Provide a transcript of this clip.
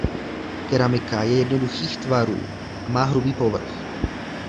Keramika je jednoduchých tvarů a má hrubý povrch.